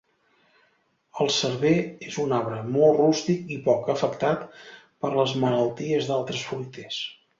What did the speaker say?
El server és un arbre molt rústic i poc afectat per les malalties d'altres fruiters.